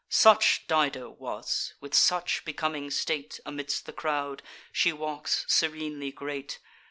Such Dido was; with such becoming state, Amidst the crowd, she walks serenely great.